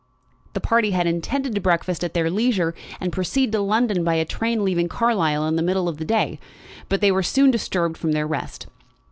The party had intended to breakfast at their leisure, and proceed to London by a train leaving Carlisle in the middle of the day; but they were soon disturbed from their rest.